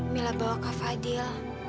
mila bawa kak fadil